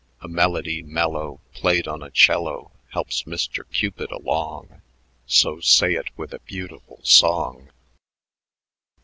A melody mellow played on a cello Helps Mister Cupid along So say it with a beautiful song."